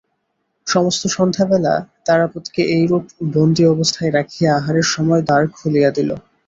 সমস্ত সন্ধ্যাবেলা তারাপদকে এইরূপ বন্দী অবস্থায় রাখিয়া আহারের সময় দ্বার খুলিয়া দিল।